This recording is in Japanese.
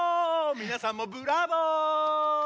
みなさんもブラボー！